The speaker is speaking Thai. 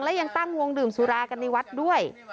และยังตั้งวงดื่มสุรากันในวัดด้วย